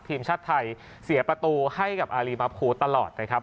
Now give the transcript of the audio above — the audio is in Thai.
ทีมชาติไทยเสียประตูให้กับอารีมาภูตลอดนะครับ